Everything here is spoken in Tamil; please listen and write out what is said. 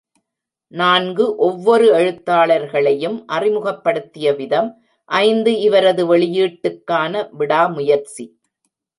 நான்கு, ஒவ்வொரு எழுத்தாளர்களையும் அறிமுகப்படுத்திய விதம், ஐந்து, இவரது வெளியீட்டுக்கான விடாமுயற்சி.